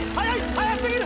速すぎる！